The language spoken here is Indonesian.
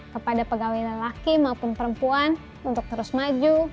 kepada pegawai lelaki maupun perempuan untuk terus maju